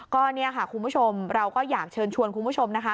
ก็เนี่ยค่ะคุณผู้ชมเราก็อยากเชิญชวนคุณผู้ชมนะคะ